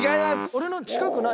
俺の近くない？